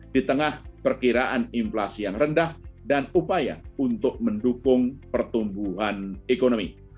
di tengah perkiraan inflasi yang rendah dan upaya untuk mendukung pertumbuhan ekonomi